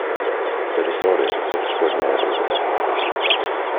The disorder is extraordinarily rare.